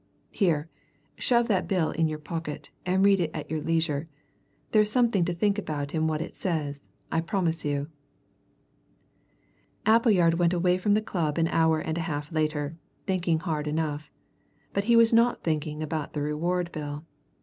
Here, shove that bill in your pocket, and read it at your leisure there's something to think about in what it says, I promise you." Appleyard went away from the club an hour and a half later, thinking hard enough. But he was not thinking about the reward bill.